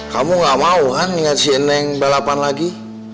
kamu gak mau kan ngasih ini balapan lagi